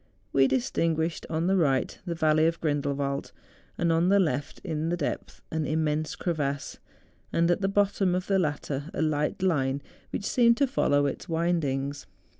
We distinguished, on the right, the Valley of Grrindel wald; on the left, in the depth, an immense cre¬ vasse, and at the bottom of the latter a light line which seemed to follow its windings.